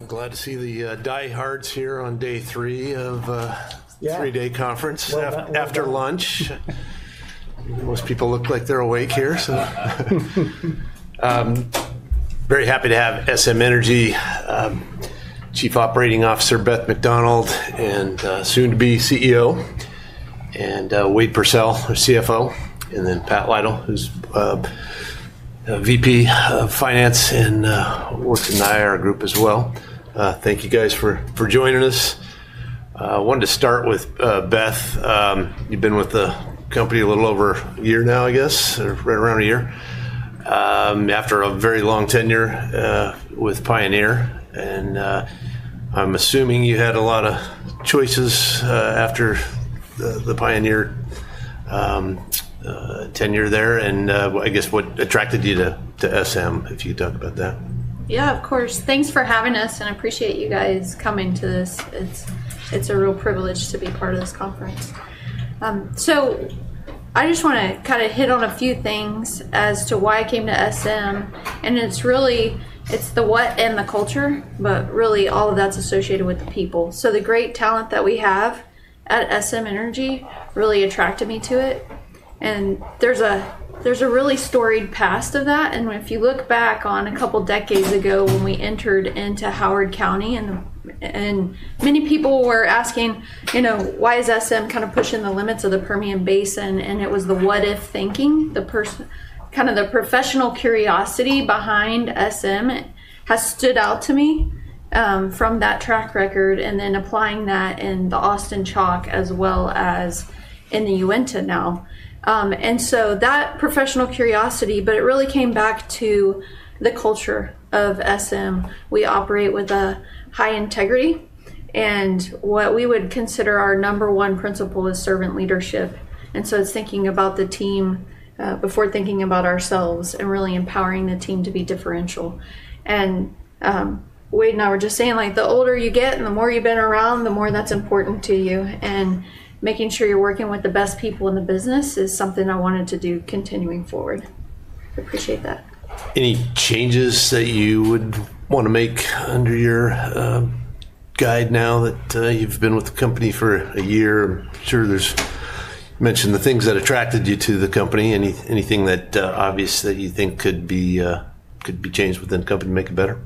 I'm glad to see the diehards here on day three of the three-day conference after lunch. Most people look like they're awake here, so. Very happy to have SM Energy Chief Operating Officer Beth McDonald and soon-to-be CEO, and Wade Pursell, our CFO, and then Pat Lytle, who's VP of Finance and works in the IR group as well. Thank you, guys, for joining us. I wanted to start with Beth. You've been with the company a little over a year now, I guess, right around a year, after a very long tenure with Pioneer. I'm assuming you had a lot of choices after the Pioneer tenure there. I guess, what attracted you to SM, if you could talk about that? Yeah, of course. Thanks for having us, and I appreciate you guys coming to this. It's a real privilege to be part of this conference. I just want to kind of hit on a few things as to why I came to SM. It's really the what and the culture, but really all of that's associated with the people. The great talent that we have at SM Energy really attracted me to it. There's a really storied past of that. If you look back on a couple of decades ago when we entered into Howard County, many people were asking, "Why is SM kind of pushing the limits of the Permian Basin?" It was the what-if thinking. Kind of the professional curiosity behind SM has stood out to me from that track record, and then applying that in the Austin Chalk as well as in the Uinta now. That professional curiosity, but it really came back to the culture of SM. We operate with a high integrity, and what we would consider our number one principle is servant leadership. It is thinking about the team before thinking about ourselves, and really empowering the team to be differential. Wade, you were just saying, the older you get, and the more you've been around, the more that's important to you. Making sure you're working with the best people in the business is something I wanted to do continuing forward. I appreciate that. Any changes that you would want to make under your guide now that you've been with the company for a year? I'm sure there's mentioned the things that attracted you to the company. Anything obvious that you think could be changed within the company to make it better?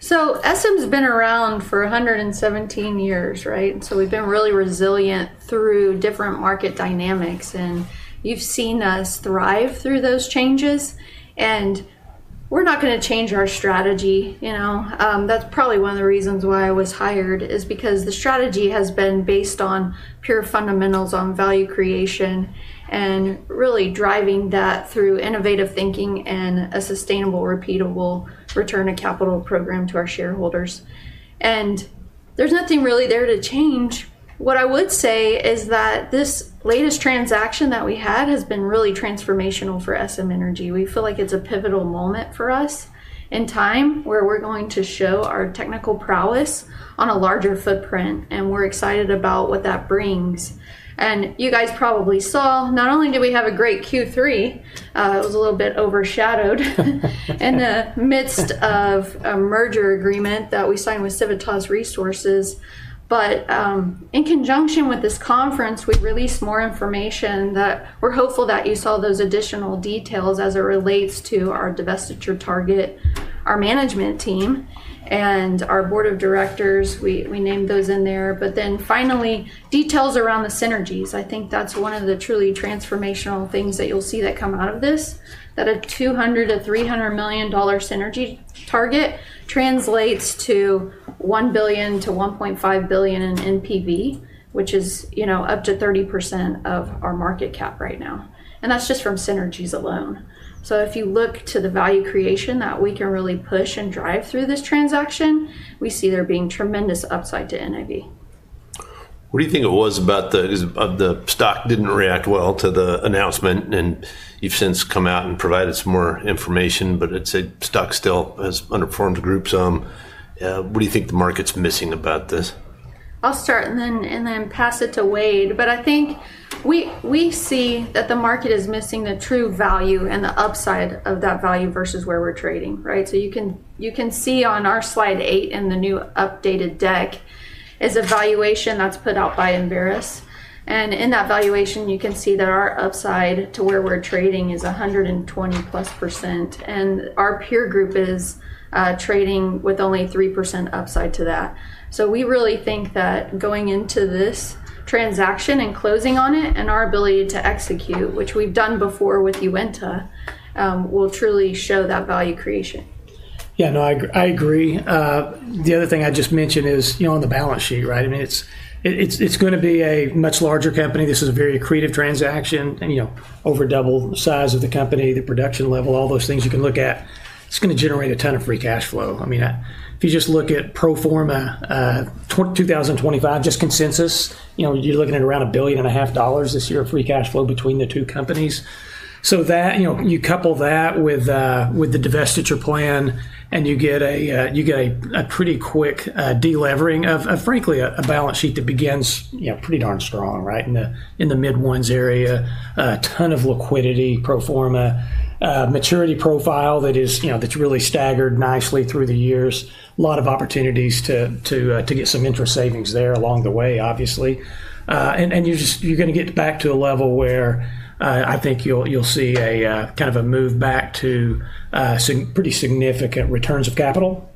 SM's been around for 117 years, right? We've been really resilient through different market dynamics, and you've seen us thrive through those changes. We're not going to change our strategy. That's probably one of the reasons why I was hired, is because the strategy has been based on pure fundamentals on value creation, and really driving that through innovative thinking and a sustainable, repeatable return to capital program to our shareholders. There's nothing really there to change. What I would say is that this latest transaction that we had has been really transformational for SM Energy. We feel like it's a pivotal moment for us in time where we're going to show our technical prowess on a larger footprint, and we're excited about what that brings. You guys probably saw, not only did we have a great Q3, it was a little bit overshadowed in the midst of a merger agreement that we signed with Civitas Resources, but in conjunction with this conference, we released more information that we're hopeful that you saw those additional details as it relates to our divestiture target. Our management team and our board of directors, we named those in there. Finally, details around the synergies. I think that's one of the truly transformational things that you'll see that come out of this, that a $200-$300 million synergy target translates to $1 billion-$1.5 billion in NPV, which is up to 30% of our market cap right now. That's just from synergies alone. If you look to the value creation that we can really push and drive through this transaction, we see there being tremendous upside to NAV. What do you think it was about the stock didn't react well to the announcement, and you've since come out and provided some more information, but the stock still has underperformed the group some. What do you think the market's missing about this? I'll start and then pass it to Wade. I think we see that the market is missing the true value and the upside of that value versus where we're trading, right? You can see on our slide eight in the new updated deck is a valuation that's put out by Embarras. In that valuation, you can see that our upside to where we're trading is 120% plus, and our peer group is trading with only 3% upside to that. We really think that going into this transaction and closing on it, and our ability to execute, which we've done before with Uinta, will truly show that value creation. Yeah, no, I agree. The other thing I just mentioned is on the balance sheet, right? I mean, it's going to be a much larger company. This is a very accretive transaction, over double the size of the company, the production level, all those things you can look at. It's going to generate a ton of free cash flow. I mean, if you just look at pro forma 2025, just consensus, you're looking at around $1.5 billion this year of free cash flow between the two companies. You couple that with the divestiture plan, and you get a pretty quick delevering of, frankly, a balance sheet that begins pretty darn strong, right, in the mid-ones area, a ton of liquidity, pro forma maturity profile that's really staggered nicely through the years, a lot of opportunities to get some interest savings there along the way, obviously. You're going to get back to a level where I think you'll see kind of a move back to pretty significant returns of capital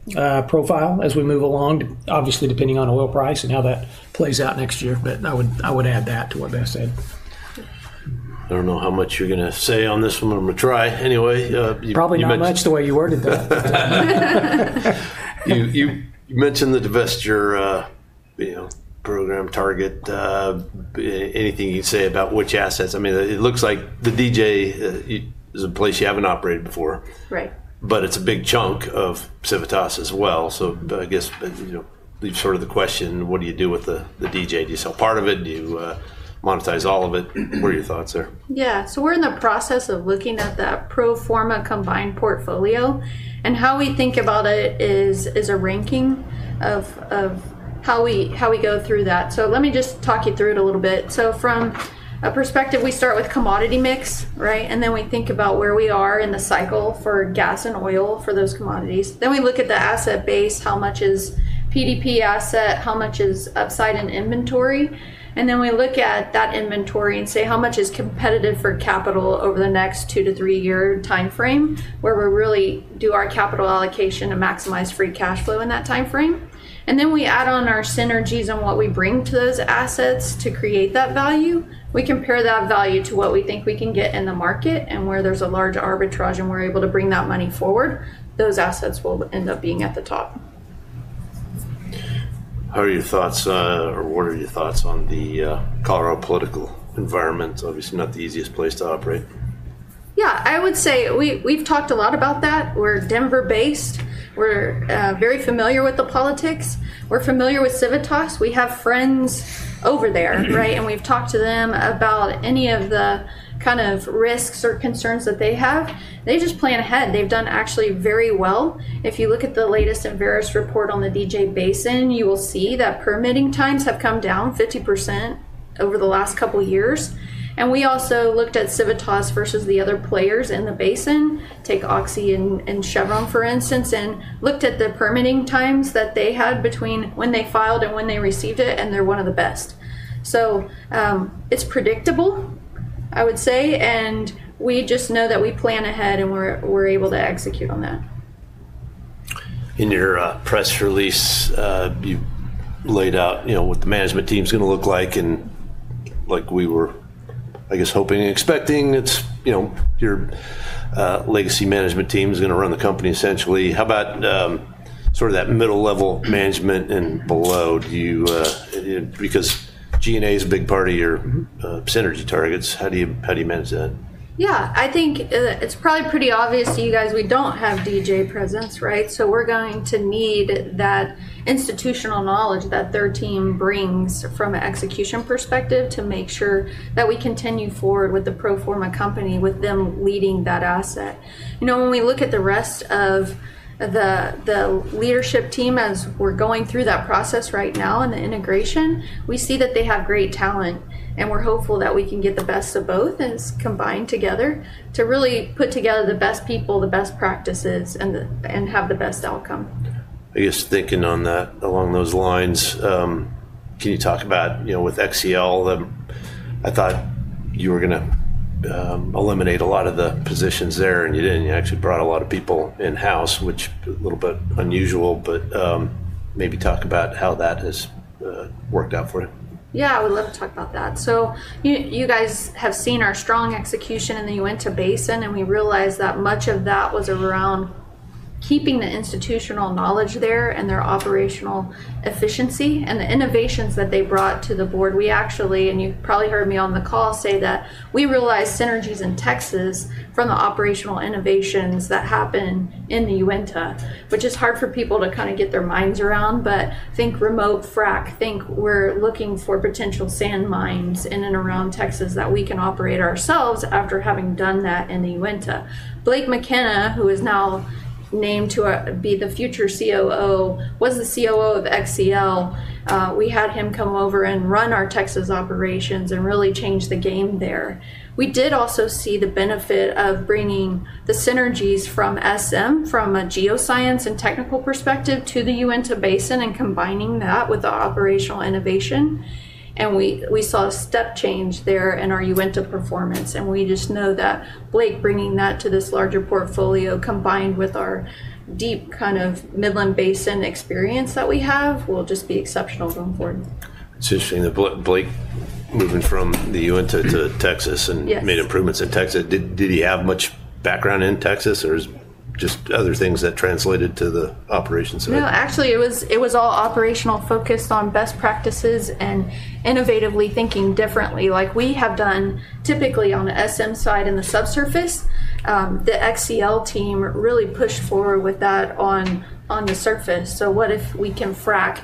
profile as we move along, obviously depending on oil price and how that plays out next year. I would add that to what Beth said. I don't know how much you're going to say on this. I'm going to try anyway. Probably not much the way you worded that. You mentioned the divestiture program target. Anything you can say about which assets? I mean, it looks like the DJ is a place you haven't operated before, but it's a big chunk of Civitas as well. I guess leaves sort of the question, what do you do with the DJ? Do you sell part of it? Do you monetize all of it? What are your thoughts there? Yeah. We're in the process of looking at that pro forma combined portfolio, and how we think about it is a ranking of how we go through that. Let me just talk you through it a little bit. From a perspective, we start with commodity mix, right? We think about where we are in the cycle for gas and oil for those commodities. We look at the asset base, how much is PDP asset, how much is upside in inventory. We look at that inventory and say, how much is competitive for capital over the next two- to three-year timeframe, where we really do our capital allocation and maximize free cash flow in that timeframe. We add on our synergies and what we bring to those assets to create that value. We compare that value to what we think we can get in the market, and where there's a large arbitrage and we're able to bring that money forward, those assets will end up being at the top. How are your thoughts, or what are your thoughts on the Colorado political environment? Obviously, not the easiest place to operate. Yeah. I would say we've talked a lot about that. We're Denver-based. We're very familiar with the politics. We're familiar with Civitas. We have friends over there, right? We've talked to them about any of the kind of risks or concerns that they have. They just plan ahead. They've done actually very well. If you look at the latest Embarras report on the DJ Basin, you will see that permitting times have come down 50% over the last couple of years. We also looked at Civitas versus the other players in the basin, take OXY and Chevron, for instance, and looked at the permitting times that they had between when they filed and when they received it, and they're one of the best. It is predictable, I would say, and we just know that we plan ahead and we're able to execute on that. In your press release, you laid out what the management team's going to look like, and like we were, I guess, hoping and expecting, your legacy management team is going to run the company essentially. How about sort of that middle-level management and below? Because G&A is a big part of your synergy targets. How do you manage that? Yeah. I think it's probably pretty obvious to you guys we don't have DJ presence, right? We're going to need that institutional knowledge that their team brings from an execution perspective to make sure that we continue forward with the pro forma company with them leading that asset. When we look at the rest of the leadership team as we're going through that process right now and the integration, we see that they have great talent, and we're hopeful that we can get the best of both and combine together to really put together the best people, the best practices, and have the best outcome. I guess thinking on that along those lines, can you talk about with XCL, I thought you were going to eliminate a lot of the positions there, and you did not. You actually brought a lot of people in-house, which is a little bit unusual, but maybe talk about how that has worked out for you. Yeah, I would love to talk about that. You guys have seen our strong execution in the Uinta Basin, and we realized that much of that was around keeping the institutional knowledge there and their operational efficiency and the innovations that they brought to the board. We actually, and you've probably heard me on the call say that we realized synergies in Texas from the operational innovations that happen in the Uinta, which is hard for people to kind of get their minds around, but think remote frac, think we're looking for potential sand mines in and around Texas that we can operate ourselves after having done that in the Uinta. Blake McKenna, who is now named to be the future COO, was the COO of XCL. We had him come over and run our Texas operations and really change the game there. We did also see the benefit of bringing the synergies from SM, from a geoscience and technical perspective to the Uinta Basin and combining that with the operational innovation. We saw a step change there in our Uinta performance. We just know that Blake bringing that to this larger portfolio combined with our deep kind of Midland Basin experience that we have will just be exceptional going forward. It's interesting, Blake moving from the Uinta to Texas and made improvements in Texas. Did he have much background in Texas, or just other things that translated to the operations? No, actually it was all operational focused on best practices and innovatively thinking differently. Like we have done typically on the SM side in the subsurface, the XCL team really pushed forward with that on the surface. What if we can frac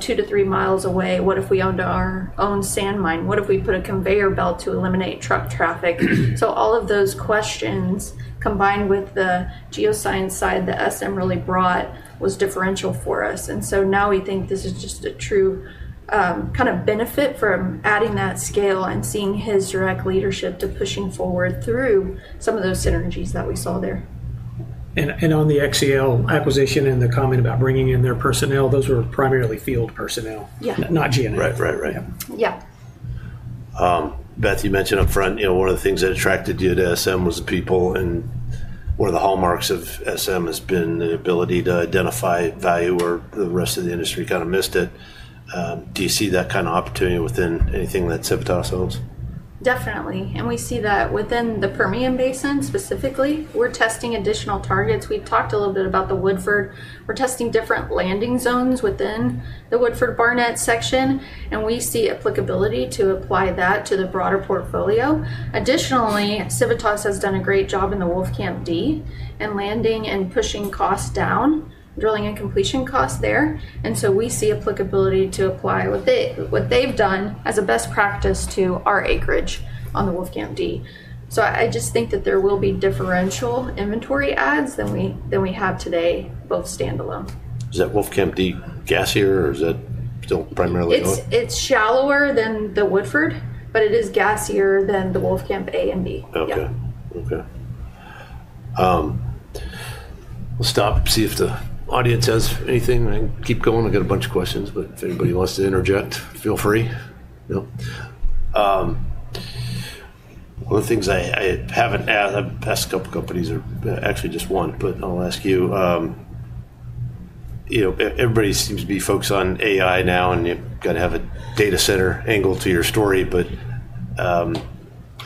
two to three miles away? What if we owned our own sand mine? What if we put a conveyor belt to eliminate truck traffic? All of those questions combined with the geoscience side that SM really brought was differential for us. Now we think this is just a true kind of benefit from adding that scale and seeing his direct leadership to pushing forward through some of those synergies that we saw there. On the XCL acquisition and the comment about bringing in their personnel, those were primarily field personnel, not G&A. Right, right. Yeah. Beth, you mentioned upfront one of the things that attracted you to SM was the people, and one of the hallmarks of SM has been the ability to identify value where the rest of the industry kind of missed it. Do you see that kind of opportunity within anything that Civitas owns? Definitely. We see that within the Permian Basin specifically, we're testing additional targets. We've talked a little bit about the Woodford. We're testing different landing zones within the Woodford Barnett section, and we see applicability to apply that to the broader portfolio. Additionally, Civitas has done a great job in the Wolf Camp D and landing and pushing costs down, drilling and completion costs there. We see applicability to apply what they've done as a best practice to our acreage on the Wolf Camp D. I just think that there will be differential inventory adds than we have today, both standalone. Is that Wolf Camp D gassier, or is that still primarily oil? It's shallower than the Woodford, but it is gassier than the Wolf Camp A and B. Okay. Okay. We'll stop, see if the audience has anything, and keep going. We've got a bunch of questions, but if anybody wants to interject, feel free. One of the things I haven't asked, the past couple of companies are actually just one, but I'll ask you. Everybody seems to be focused on AI now, and you've got to have a data center angle to your story, but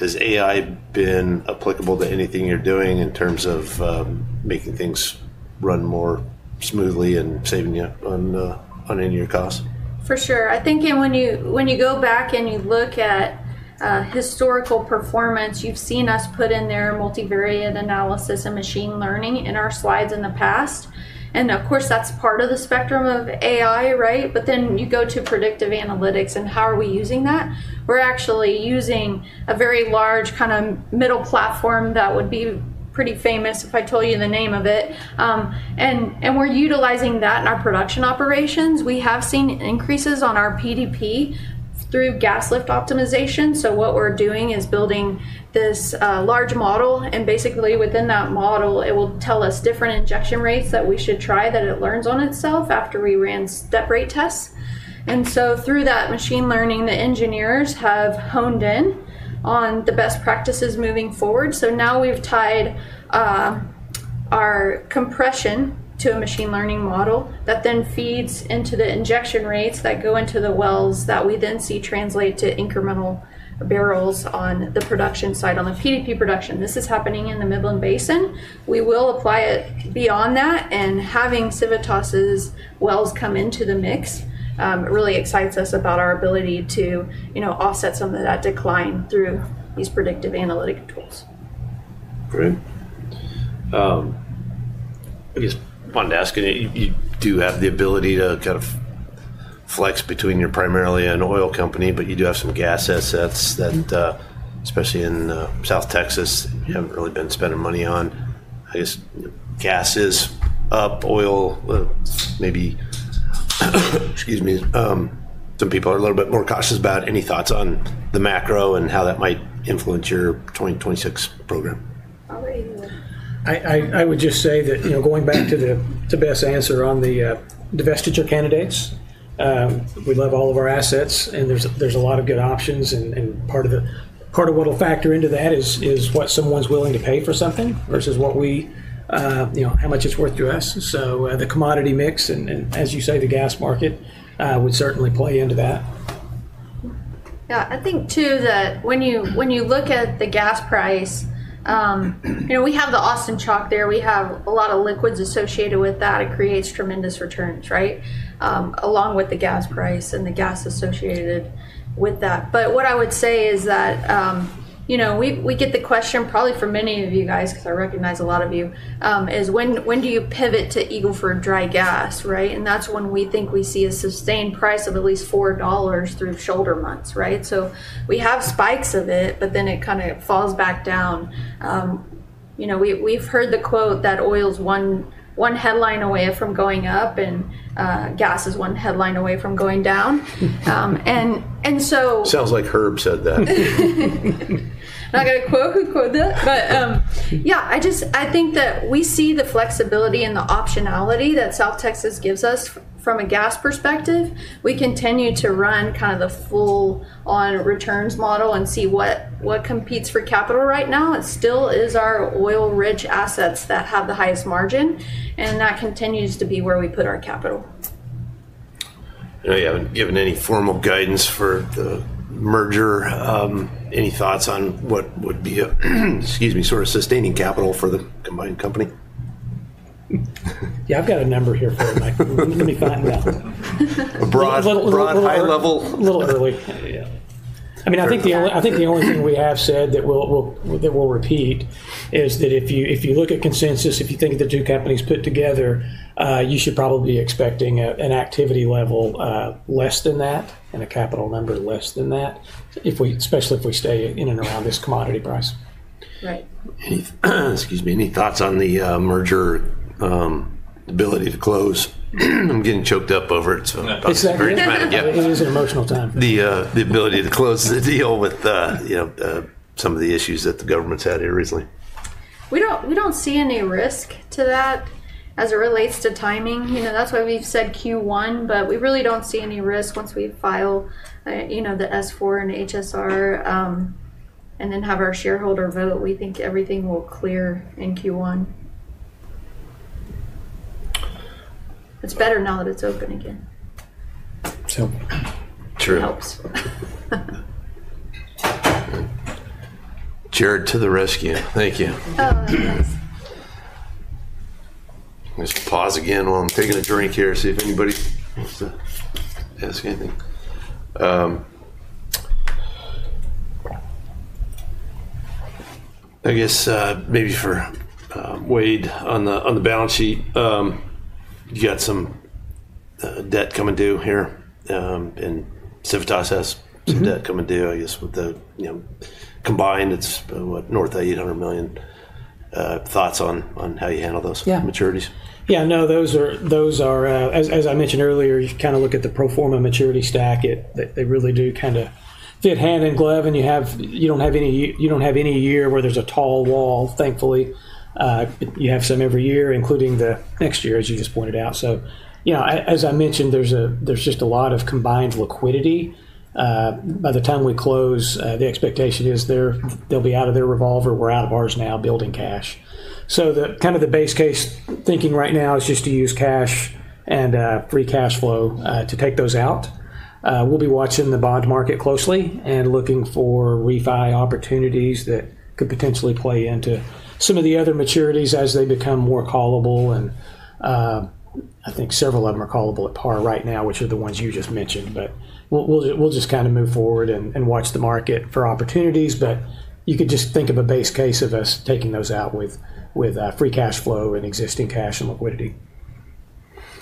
has AI been applicable to anything you're doing in terms of making things run more smoothly and saving you on any of your costs? For sure. I think when you go back and you look at historical performance, you've seen us put in there multivariate analysis and machine learning in our slides in the past. Of course, that's part of the spectrum of AI, right? You go to predictive analytics and how are we using that? We're actually using a very large kind of middle platform that would be pretty famous if I told you the name of it. We're utilizing that in our production operations. We have seen increases on our PDP through gas lift optimization. What we're doing is building this large model, and basically within that model, it will tell us different injection rates that we should try that it learns on itself after we ran step rate tests. Through that machine learning, the engineers have honed in on the best practices moving forward. We have tied our compression to a machine learning model that then feeds into the injection rates that go into the wells that we then see translate to incremental barrels on the production side, on the PDP production. This is happening in the Midland Basin. We will apply it beyond that, and having Civitas' wells come into the mix really excites us about our ability to offset some of that decline through these predictive analytic tools. Great. I guess I wanted to ask, you do have the ability to kind of flex between you're primarily an oil company, but you do have some gas assets that, especially in South Texas, you haven't really been spending money on. I guess gas is up, oil maybe. Excuse me. Some people are a little bit more cautious about. Any thoughts on the macro and how that might influence your 2026 program? I would just say that going back to Beth's answer on the divestiture candidates, we love all of our assets, and there's a lot of good options. Part of what will factor into that is what someone's willing to pay for something versus how much it's worth to us. The commodity mix, and as you say, the gas market would certainly play into that. Yeah. I think too that when you look at the gas price, we have the Austin Chalk there. We have a lot of liquids associated with that. It creates tremendous returns, right? Along with the gas price and the gas associated with that. What I would say is that we get the question probably from many of you guys, because I recognize a lot of you, is when do you pivot to Eagle Ford dry gas, right? That is when we think we see a sustained price of at least $4 through shoulder months, right? We have spikes of it, but then it kind of falls back down. We've heard the quote that oil's one headline away from going up, and gas is one headline away from going down. Sounds like Herb said that. I got a quote who quoted that, but yeah, I think that we see the flexibility and the optionality that South Texas gives us from a gas perspective. We continue to run kind of the full-on returns model and see what competes for capital right now. It still is our oil-rich assets that have the highest margin, and that continues to be where we put our capital. Are you given any formal guidance for the merger? Any thoughts on what would be, excuse me, sort of sustaining capital for the combined company? Yeah, I've got a number here for you, Mike. Let me find that. A broad high level. A little early. I mean, I think the only thing we have said that we'll repeat is that if you look at consensus, if you think of the two companies put together, you should probably be expecting an activity level less than that and a capital number less than that, especially if we stay in and around this commodity price. Right. Excuse me. Any thoughts on the merger ability to close? I'm getting choked up over it, so. It's not a great time. It is an emotional time. The ability to close the deal with some of the issues that the government's had here recently. We don't see any risk to that as it relates to timing. That's why we've said Q1, but we really don't see any risk once we file the S-4 and HSR and then have our shareholder vote. We think everything will clear in Q1. It's better now that it's open again. So. It helps. Jared to the rescue. Thank you. Oh, thanks. I'm going to pause again while I'm taking a drink here to see if anybody wants to ask anything. I guess maybe for Wade on the balance sheet, you got some debt coming due here, and Civitas has some debt coming due, I guess, with the combined. It's what, north of $800 million. Thoughts on how you handle those maturities? Yeah. Yeah. No, those are, as I mentioned earlier, you kind of look at the pro forma maturity stack. They really do kind of fit hand in glove, and you do not have any year where there is a tall wall, thankfully. You have some every year, including the next year, as you just pointed out. As I mentioned, there is just a lot of combined liquidity. By the time we close, the expectation is they will be out of their revolver. We are out of ours now, building cash. Kind of the base case thinking right now is just to use cash and free cash flow to take those out. We will be watching the bond market closely and looking for refi opportunities that could potentially play into some of the other maturities as they become more callable. I think several of them are callable at par right now, which are the ones you just mentioned, but we'll just kind of move forward and watch the market for opportunities. You could just think of a base case of us taking those out with free cash flow and existing cash and liquidity.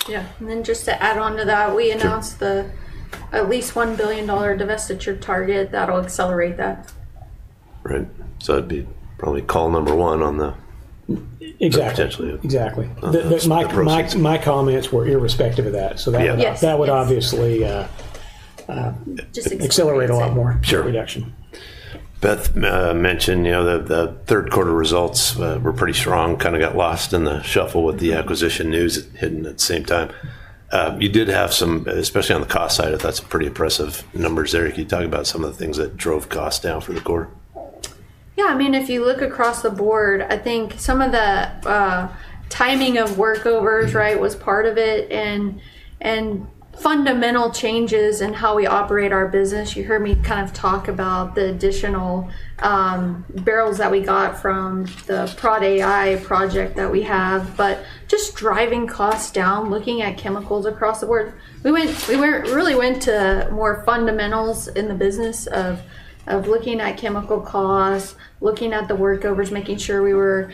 Yeah. Just to add on to that, we announced the at least $1 billion divestiture target that'll accelerate that. Right. That'd be probably call number one on the potentially. Exactly. Exactly. My comments were irrespective of that. That would obviously accelerate a lot more reduction. Beth mentioned the third quarter results were pretty strong, kind of got lost in the shuffle with the acquisition news hitting at the same time. You did have some, especially on the cost side, I thought some pretty impressive numbers there. Could you talk about some of the things that drove costs down for the quarter? Yeah. I mean, if you look across the board, I think some of the timing of workovers, right, was part of it, and fundamental changes in how we operate our business. You heard me kind of talk about the additional barrels that we got from the prod AI project that we have, but just driving costs down, looking at chemicals across the board. We really went to more fundamentals in the business of looking at chemical costs, looking at the workovers, making sure we were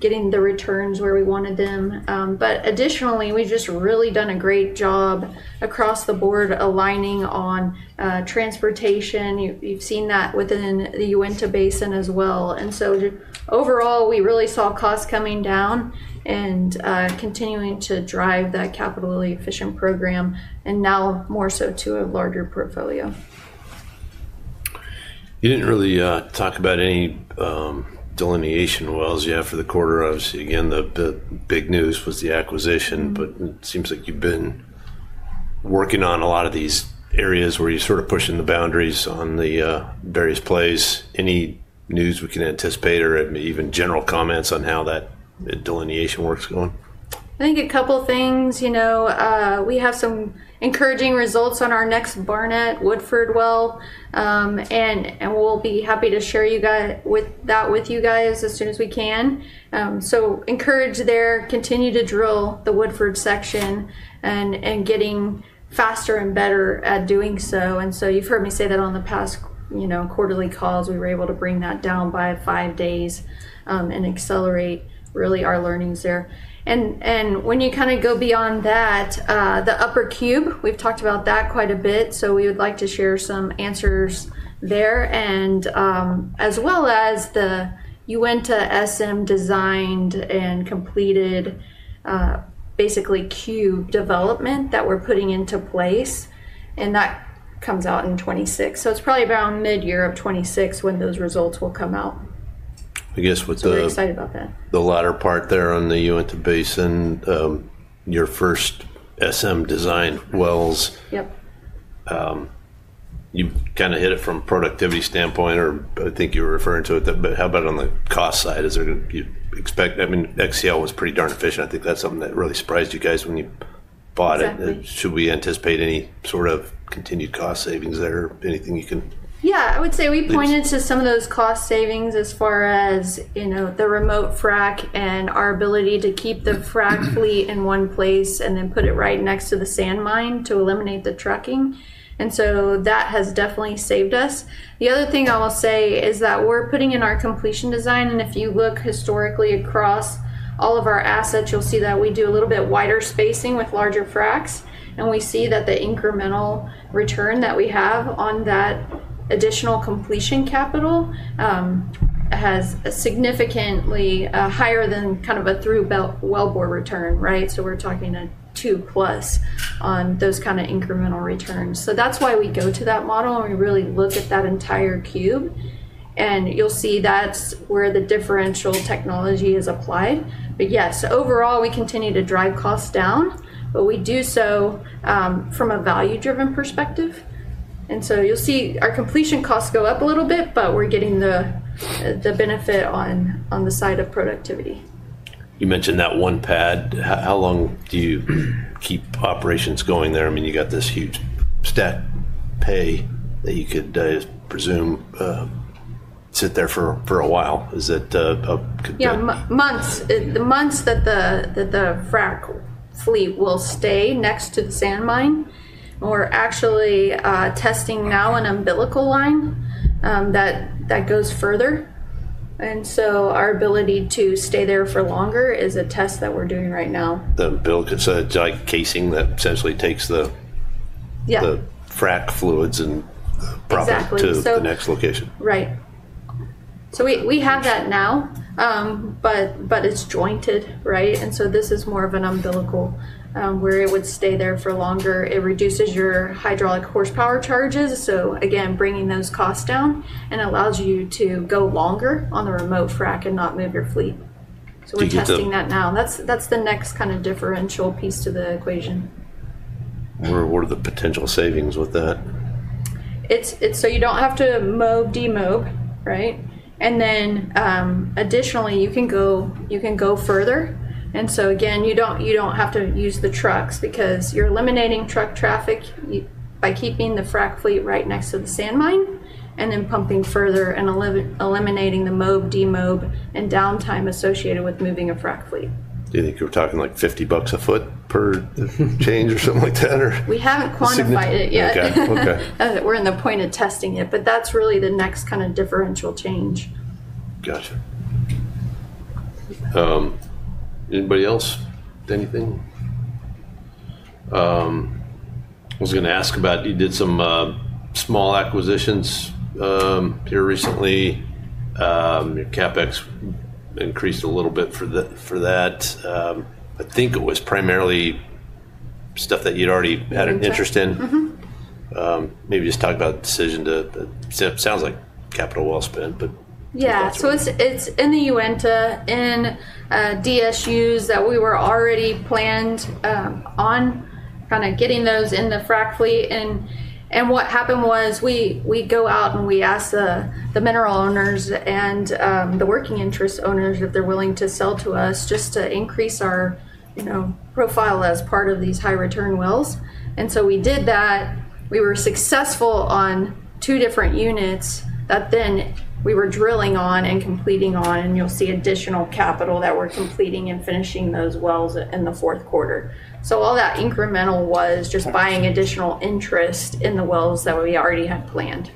getting the returns where we wanted them. Additionally, we've just really done a great job across the board aligning on transportation. You've seen that within the Uinta Basin as well. Overall, we really saw costs coming down and continuing to drive that capital efficient program, and now more so to a larger portfolio. You didn't really talk about any delineation wells yet for the quarter. Obviously, again, the big news was the acquisition, but it seems like you've been working on a lot of these areas where you're sort of pushing the boundaries on the various plays. Any news we can anticipate or even general comments on how that delineation work's going? I think a couple of things. We have some encouraging results on our next Barnett Woodford well, and we'll be happy to share that with you guys as soon as we can. Encourage there, continue to drill the Woodford section and getting faster and better at doing so. You have heard me say that on the past quarterly calls, we were able to bring that down by five days and accelerate really our learnings there. When you kind of go beyond that, the upper cube, we've talked about that quite a bit. We would like to share some answers there, as well as the Uinta SM designed and completed basically cube development that we're putting into place, and that comes out in 2026. It is probably around mid-year of 2026 when those results will come out. I guess with the. I'm very excited about that. The latter part there on the Uinta Basin, your first SM design wells. Yep. You kind of hit it from a productivity standpoint, or I think you were referring to it, but how about on the cost side? Is there going to be expect? I mean, XCL was pretty darn efficient. I think that's something that really surprised you guys when you bought it. Should we anticipate any sort of continued cost savings there? Anything you can. Yeah. I would say we pointed to some of those cost savings as far as the remote frac and our ability to keep the frac fleet in one place and then put it right next to the sand mine to eliminate the trucking. That has definitely saved us. The other thing I will say is that we're putting in our completion design, and if you look historically across all of our assets, you'll see that we do a little bit wider spacing with larger fracs, and we see that the incremental return that we have on that additional completion capital has been significantly higher than kind of a through belt wellbore return, right? We are talking a two plus on those kind of incremental returns. That is why we go to that model, and we really look at that entire cube, and you'll see that is where the differential technology is applied. Yes, overall, we continue to drive costs down, but we do so from a value-driven perspective. You'll see our completion costs go up a little bit, but we're getting the benefit on the side of productivity. You mentioned that one pad. How long do you keep operations going there? I mean, you got this huge stack pay that you could presume sit there for a while. Is that a? Yeah. Months. The months that the frac fleet will stay next to the sand mine. We're actually testing now an umbilical line that goes further. Our ability to stay there for longer is a test that we're doing right now. The umbilical, it's like casing that essentially takes the frac fluids and prop it to the next location. Right. We have that now, but it's jointed, right? This is more of an umbilical where it would stay there for longer. It reduces your hydraulic horsepower charges, bringing those costs down and allows you to go longer on the remote frac and not move your fleet. We're testing that now. That's the next kind of differential piece to the equation. What are the potential savings with that? You don't have to mob, demob, right? Additionally, you can go further. Again, you don't have to use the trucks because you're eliminating truck traffic by keeping the frac fleet right next to the sand mine and then pumping further and eliminating the mob, demob, and downtime associated with moving a frac fleet. Do you think you're talking like $50 a foot per change or something like that, or? We haven't quantified it yet. Okay. Okay. We're in the point of testing it, but that's really the next kind of differential change. Gotcha. Anybody else? Anything? I was going to ask about you did some small acquisitions here recently. CapEx increased a little bit for that. I think it was primarily stuff that you'd already had an interest in. Maybe just talk about the decision to sounds like capital well spent, but. Yeah. It is in the Uinta and DSUs that we were already planned on kind of getting those in the frac fleet. What happened was we go out and we ask the mineral owners and the working interest owners if they are willing to sell to us just to increase our profile as part of these high return wells. We did that. We were successful on two different units that we were drilling on and completing on, and you will see additional capital that we are completing and finishing those wells in the fourth quarter. All that incremental was just buying additional interest in the wells that we already had planned.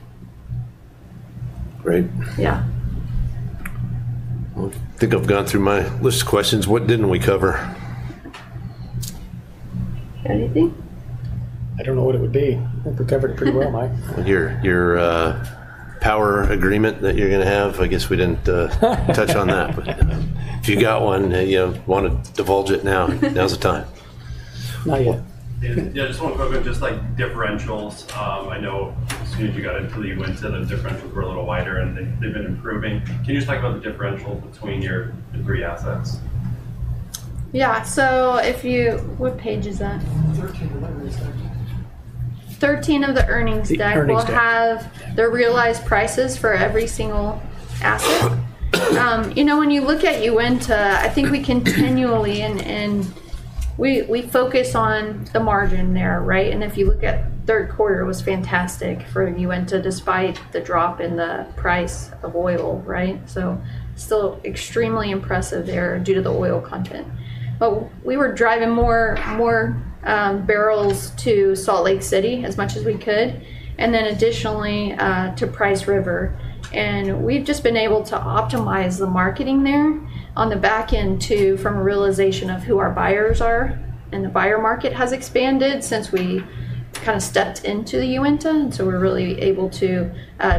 Great. Yeah. I think I've gone through my list of questions. What didn't we cover? Anything? I don't know what it would be. I think we covered it pretty well, Mike. Your power agreement that you're going to have, I guess we didn't touch on that, but if you got one, you want to divulge it now. Now's the time. Not yet. Yeah. Just want to talk about just like differentials. I know as soon as you got into the Uinta, the differentials were a little wider, and they've been improving. Can you just talk about the differentials between your three assets? Yeah. If you—what page is that? 13 of the earnings stack. Thirteen of the earnings stack will have the realized prices for every single asset. When you look at Uinta, I think we continually—and we focus on the margin there, right? If you look at third quarter, it was fantastic for Uinta despite the drop in the price of oil, right? Still extremely impressive there due to the oil content. We were driving more barrels to Salt Lake City as much as we could, and then additionally to Price River. We have just been able to optimize the marketing there on the back end from a realization of who our buyers are, and the buyer market has expanded since we kind of stepped into the Uinta. We are really able to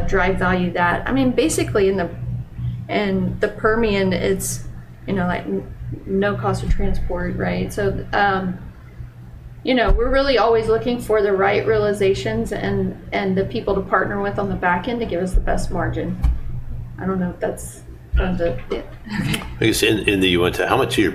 drive value that. I mean, basically in the Permian, it is no cost of transport, right? We're really always looking for the right realizations and the people to partner with on the back end to give us the best margin. I don't know if that's kind of the— I guess in the Uinta, how much of your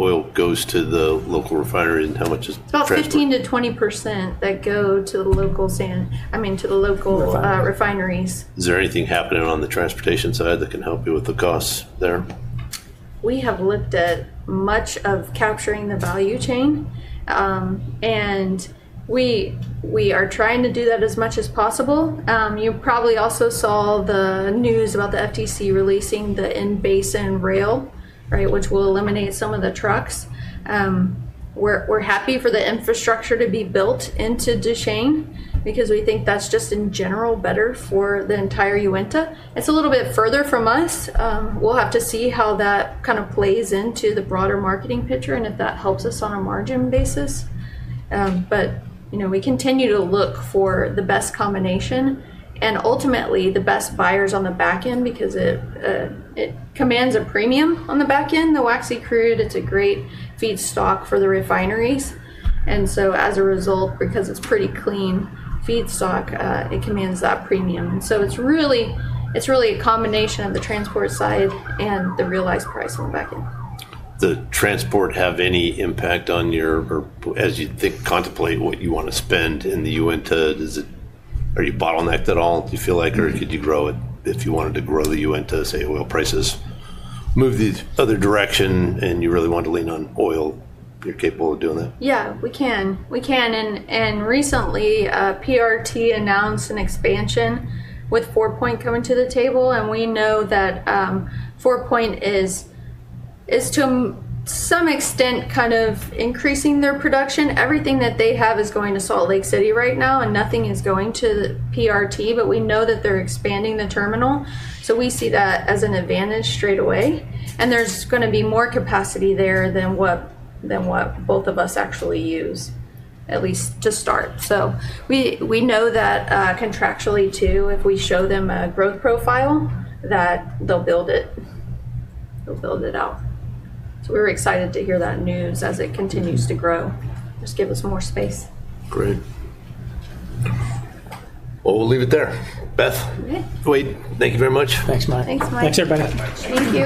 oil goes to the local refinery and how much is— About 15%-20% that go to the local sand—I mean, to the local refineries. Is there anything happening on the transportation side that can help you with the costs there? We have looked at much of capturing the value chain, and we are trying to do that as much as possible. You probably also saw the news about the FTC releasing the in-basin rail, right, which will eliminate some of the trucks. We are happy for the infrastructure to be built into Duchesne because we think that is just in general better for the entire Uinta. It is a little bit further from us. We will have to see how that kind of plays into the broader marketing picture and if that helps us on a margin basis. We continue to look for the best combination and ultimately the best buyers on the back end because it commands a premium on the back end. The waxy crude, it is a great feedstock for the refineries. As a result, because it is pretty clean feedstock, it commands that premium. It is really a combination of the transport side and the realized price on the back end. Does the transport have any impact on your—or as you think, contemplate what you want to spend in the Uinta, are you bottlenecked at all, do you feel like, or could you grow it if you wanted to grow the Uinta, say, oil prices move the other direction and you really want to lean on oil, you're capable of doing that? Yeah, we can. We can. Recently, PRT announced an expansion with Four Point coming to the table, and we know that Four Point is, to some extent, kind of increasing their production. Everything that they have is going to Salt Lake City right now, and nothing is going to PRT, but we know that they're expanding the terminal. We see that as an advantage straight away. There's going to be more capacity there than what both of us actually use, at least to start. We know that contractually too, if we show them a growth profile, that they'll build it. They'll build it out. We were excited to hear that news as it continues to grow. Just give us more space. Great. We'll leave it there. Beth. Okay. Wait. Thank you very much. Thanks, Mike. Thanks, Mike. Thanks, everybody. Thank you.